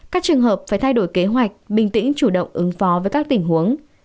các trường hợp phải thay đổi kế hoạch bình tĩnh chủ động ứng phó với các tình huống